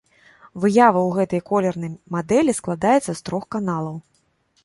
Выява ў гэтай колернай мадэлі складаецца з трох каналаў.